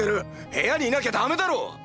部屋にいなきゃだめだろ！！